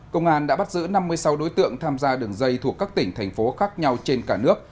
công an đã bắt giữ năm mươi sáu đối tượng tham gia đường dây thuộc các tỉnh thành phố khác nhau trên cả nước